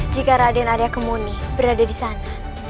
jika raden arya kemuni berada di sana